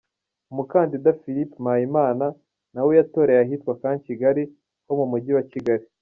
Umukandida Philippe Mpayimana na we yatoreye ahitwa Camp Kigali, ho mu mujyi wa Kigali.